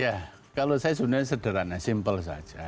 ya kalau saya sebenarnya sederhana simpel saja